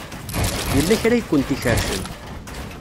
Yella kra ay kent-ikerrcen.